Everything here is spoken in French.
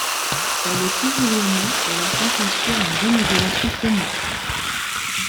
Elle est plus éloignée, et la tente assure une bonne isolation phonique.